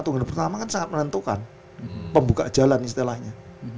tunggu pertama kan sangat menentukan pembuka jalan istilahnya